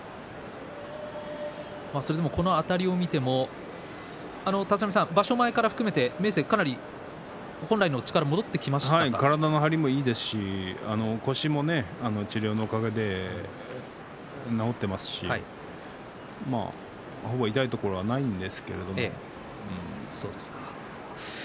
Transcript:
それでも、この辺りを見ても場所前から含めて明生はかなり体の張りもいいですし腰も治療のおかげで治っていますしほぼ痛いところはないんですけれどね。